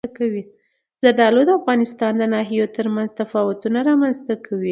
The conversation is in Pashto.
زردالو د افغانستان د ناحیو ترمنځ تفاوتونه رامنځته کوي.